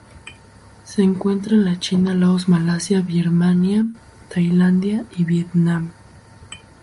Se encuentra en la China, Laos, Malasia, Birmania, Tailandia y Vietnam.